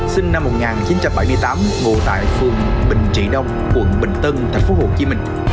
sinh năm một nghìn chín trăm bảy mươi tám ngụ tại phường bình trị đông quận bình tân thành phố hồ chí minh